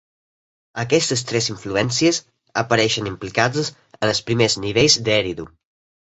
Aquestes tres influències apareixen implicades en els primers nivells d'Èridu.